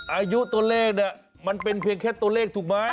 อายุตัวเลขเนี่ยมันเป็นเพียงแค่ตัวเลขถูกไหม